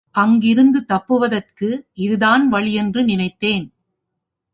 அங்கிருந்து தப்புவதற்கு இது தான் வழியென்று நினைத்தேன்.